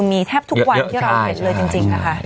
มีแทบทุกวันที่เราเห็นเลยจริงนะคะ